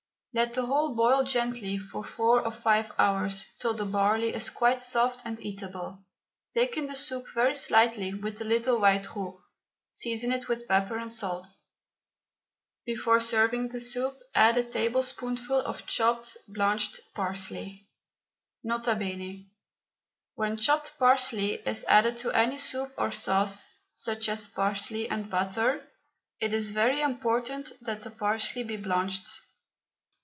Let the whole boil gently for four or five hours, till the barley is quite soft and eatable. Thicken the soup very slightly with a little white roux, season it with pepper and salt. Before serving the soup, add a tablespoonful of chopped blanched parsley. N.B. When chopped parsley is added to any soup or sauce, such as parsley and butter, it is very important that the parsley be blanched.